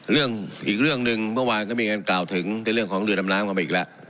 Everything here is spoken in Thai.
เรื่องอีกเรื่องหนึ่งเมื่อวานก็มีการกล่าวถึงในเรื่องของเรือดำน้ำกันมาอีกแล้ว